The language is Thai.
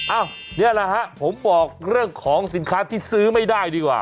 นี่แหละฮะผมบอกเรื่องของสินค้าที่ซื้อไม่ได้ดีกว่า